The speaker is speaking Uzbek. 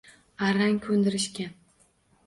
Arang ko`ndirishgan